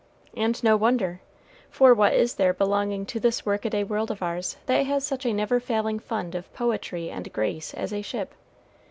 And no wonder; for what is there belonging to this workaday world of ours that has such a never failing fund of poetry and grace as a ship?